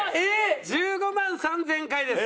１５万３０００回です。